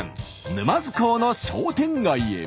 沼津港の商店街へ。